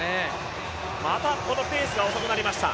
またこのペースが遅くなりました。